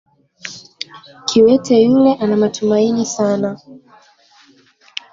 Kiwete yule ana matumaini sana